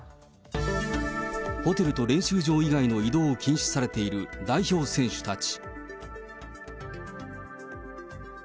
ホテルと練習場以外の移動を禁止されている代表選手たち。